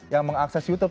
yang mengakses youtube